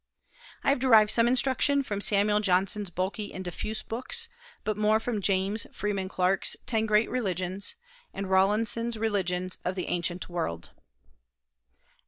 I have derived some instruction from Samuel Johnson's bulky and diffuse books, but more from James Freeman Clarke's Ten Great Religions^ and Rawlinson's Religions of the Ancient World.